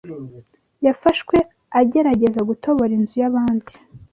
yafashwe agerageza gutobora inzu yabandi